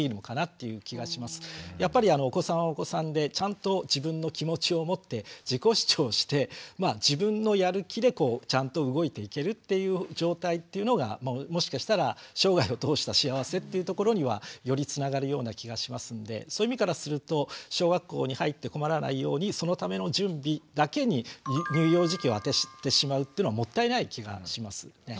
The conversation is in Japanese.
やっぱりお子さんはお子さんでちゃんと自分の気持ちを持って自己主張して自分のやる気でちゃんと動いていけるっていう状態っていうのがもしかしたら生涯を通した幸せっていうところにはよりつながるような気がしますんでそういう意味からすると小学校に入って困らないようにそのための準備だけに乳幼児期をあててしまうっていうのはもったいない気がしますよね。